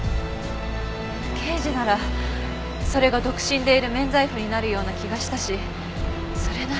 刑事ならそれが独身でいる免罪符になるような気がしたしそれなら。